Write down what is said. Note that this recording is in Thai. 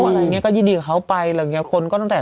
อะไรอย่างเงี้ก็ยินดีกับเขาไปอะไรอย่างเงี้คนก็ตั้งแต่